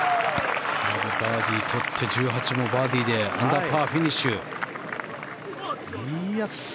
バーディーとって１８もバーディーでパーフィニッシュをね。